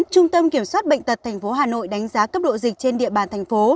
trung tâm kiểm soát bệnh tật tp hà nội đánh giá cấp độ dịch trên địa bàn thành phố